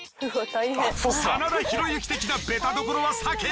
真田広之的なベタどころは避け